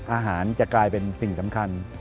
อาหารจะกลายเป็นสิ่งสำคัญ